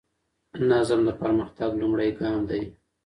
نظم د پرمختګ لومړی ګام دی.